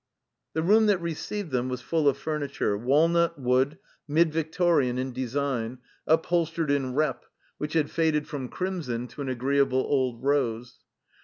The room that received them was full of f umitture, walnut wood, mid Victorian in design, upholstered in rep, which had faded from crimson to an agreeable old rose.